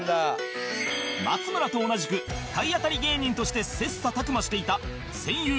松村と同じく体当たり芸人として切磋琢磨していた戦友